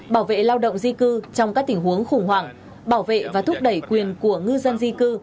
bảo vệ lao động di cư trong các tình huống khủng hoảng bảo vệ và thúc đẩy quyền của ngư dân di cư